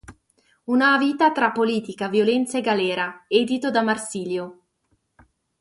Una vita tra politica, violenza e galera", edito da Marsilio.